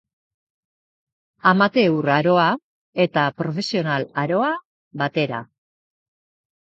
Amateur aroa eta Profesional aroa batera.